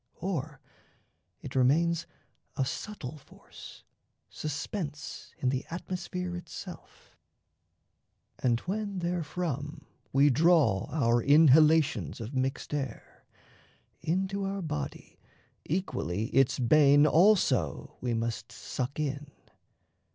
Or it remains a subtle force, suspense In the atmosphere itself; and when therefrom We draw our inhalations of mixed air, Into our body equally its bane Also we must suck in.